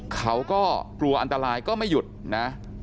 เขาก็กลัวอันตรายก็ไม่หยุดนะ